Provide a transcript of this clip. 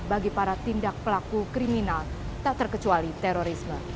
bagi para tindak pelaku kriminal tak terkecuali terorisme